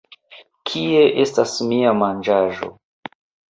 Kie estas mia manĝaĵo!